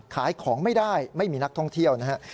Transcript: ขายของไม่ได้ไม่มีนักท่องเที่ยวนะครับ